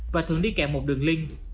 và thường đi kèm một đường link